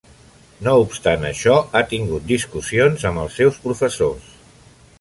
No obstant això, ha tingut discussions amb els seus professors.